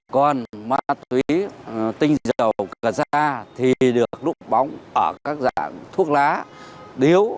còn ma túy tinh dầu cà ra thì được núp bóng ở các dạng thuốc lá điếu